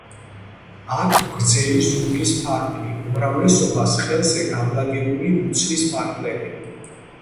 აქვთ გრძელი ზურგის ფარფლი, უმრავლესობას ყელზე განლაგებული მუცლის ფარფლები.